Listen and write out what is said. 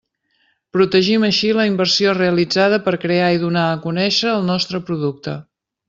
Protegim així la inversió realitzada per crear i donar a conèixer el nostre producte.